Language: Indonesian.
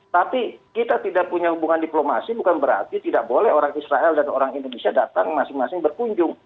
tapi kita tidak punya hubungan diplomasi bukan berarti tidak boleh orang israel dan orang indonesia datang masing masing berkunjung